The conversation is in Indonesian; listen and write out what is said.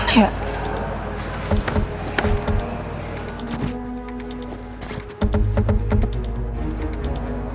tengah mana ya